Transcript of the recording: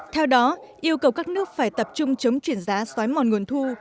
theo đó yêu cầu các nước phải tập trung chống chuyển giá xoái mòn nguồn thu